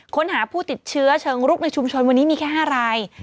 ค้นหาผู้ติดเชื้อเชิงรุกในชุมชนวันนี้มีแค่๕ราย